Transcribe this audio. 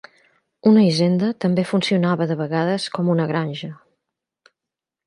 Una hisenda també funcionava de vegades com una granja.